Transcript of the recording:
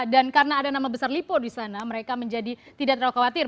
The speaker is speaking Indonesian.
dan karena ada nama besar lipo di sana mereka menjadi tidak terlalu khawatir